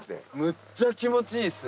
むっちゃ気持ちいいです。